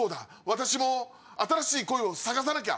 私も新しい恋を探さなきゃ。